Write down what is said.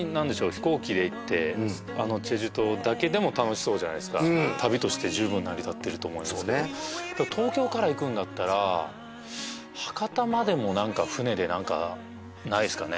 飛行機で行ってあの済州島だけでも楽しそうじゃないっすか旅として十分成り立ってると思いますけど東京から行くんだったら博多までも何か船でないっすかね？